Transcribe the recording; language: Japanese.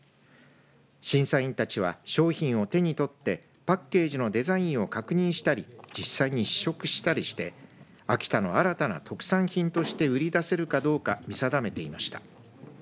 審査員たちは商品を手に取ってパッケージのデザインを確認したり実際に試食したりして秋田の新たな特産品として売り出せるかどうか見定めていました。